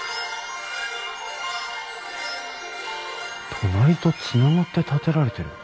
隣とつながって建てられてる。